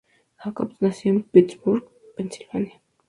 Jacobs nació en Pittsburgh, Pensilvania.